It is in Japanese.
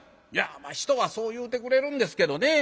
「人はそう言うてくれるんですけどね